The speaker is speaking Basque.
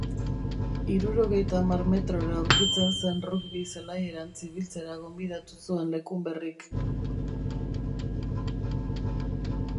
Hirurogeita hamar metrora aurkitzen zen rugby zelaierantz ibiltzera gonbidatu zuen Lekunberrik.